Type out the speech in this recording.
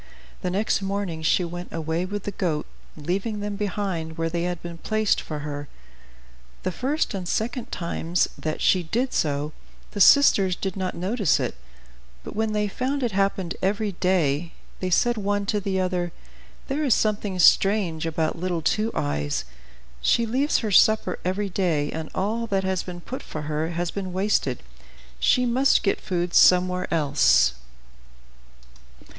The next morning she went away with the goat, leaving them behind where they had been placed for her. The first and second times that she did so, the sisters did not notice it; but when they found it happened every day, they said one to the other, "There is something strange about little Two Eyes, she leaves her supper every day, and all that has been put for her has been wasted; she must get food somewhere else."